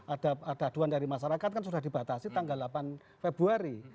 ada aduan dari masyarakat kan sudah dibatasi tanggal delapan februari